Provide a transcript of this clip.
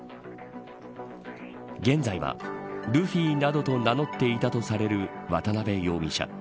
現在はルフィなどと名乗っていたとされる渡辺容疑者。